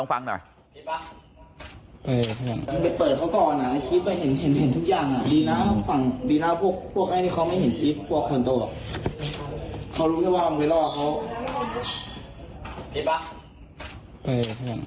ไปไป